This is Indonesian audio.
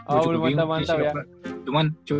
oh belum mantel mantel ya